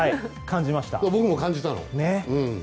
僕も感じたの。